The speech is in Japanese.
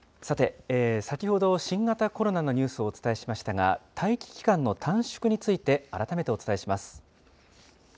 さて、先ほど新型コロナのニュースをお伝えしましたが、待機期間の短縮について改めてお伝えします。